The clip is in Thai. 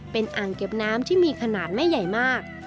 เป็นอ่างเก็บน้ำที่มีขนาดไม่ใหญ่มาก